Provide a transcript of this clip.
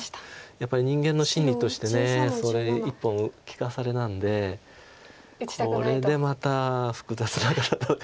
やっぱり人間の心理としてそれ１本利かされなんでこれでまた複雑な戦い。